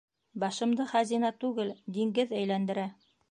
Башымды хазина түгел, диңгеҙ әйләндерә.